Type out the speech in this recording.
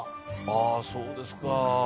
ああそうですか。